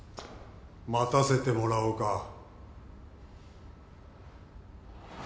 待たせてもらおうか。